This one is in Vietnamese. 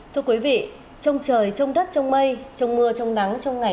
thưa quý vị trong trời trong đất trong mây trong mưa trong nắng trong ngày